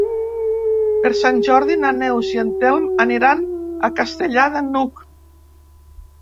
Per Sant Jordi na Neus i en Telm aniran a Castellar de n'Hug.